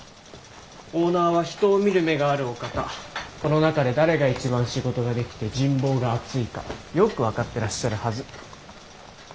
オーナーは人を見る目があるお方この中で誰が一番仕事ができて人望が厚いかよく分かってらっしゃるはず。